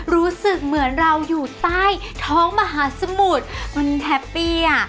รู้สึกเหมือนเราอยู่ใต้ท้องมหาสมุทรมันแฮปปี้อ่ะ